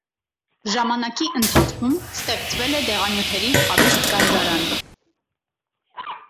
Ժամանակի ընթացքում ստեղծվել է դեղանյութերի հարուստ գանձարան։